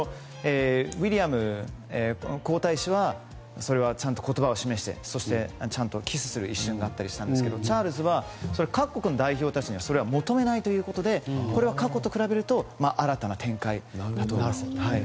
ウィリアム皇太子はそれはちゃんと言葉を示してそして、ちゃんとキスするシーンがあったりしたんですがチャールズは、各国の代表たちはそれを求めないということで過去と比べると新たな展開だと思います。